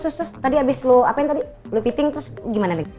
terus terus tadi abis lo apain tadi lo piting terus gimana lagi